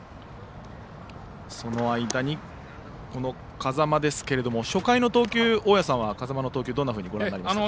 その間に、風間ですけれども初回の風間の投球、大矢さんはどんなふうにご覧になりましたか。